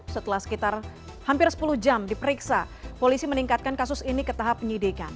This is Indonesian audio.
setelah sekitar hampir sepuluh jam diperiksa polisi meningkatkan kasus ini ke tahap penyidikan